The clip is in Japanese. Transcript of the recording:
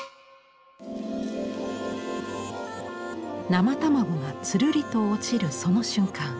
生卵がつるりと落ちるその瞬間。